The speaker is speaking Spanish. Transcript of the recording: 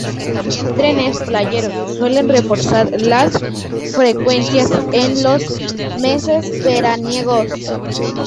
Trenes playeros suelen reforzar las frecuencias en los meses veraniegos.